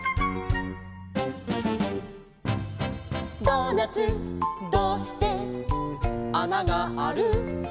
「ドーナツどうしてあながある？」